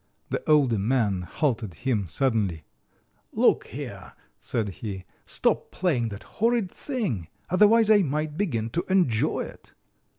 The older man halted him suddenly: "Look here," said he. "Stop playing that horrid thing; otherwise I might begin to enjoy it!"